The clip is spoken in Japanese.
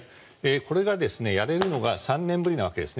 これがやれるのが３年ぶりのわけです。